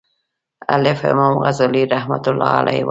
الف : امام غزالی رحمه الله وایی